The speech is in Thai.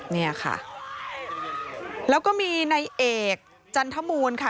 เนี่ยค่ะแล้วก็มีในเอกจันทมูลค่ะ